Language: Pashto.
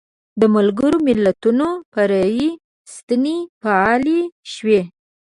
د ملګرو ملتونو فرعي ستنې فعالې شوې.